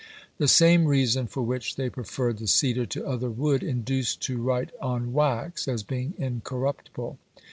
The same reason for which they preferred the cedar to other wood induced to write on wax, as being incorruptible.